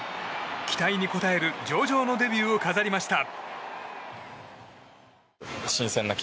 期待に応える上々のデビューを飾りました。